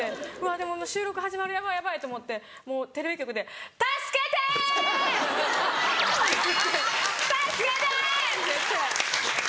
でも収録始まるヤバいヤバいと思ってもうテレビ局で助けて‼助けて‼って言って。